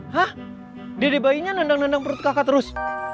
hah diri bayinya nendang nendang perut kakak terus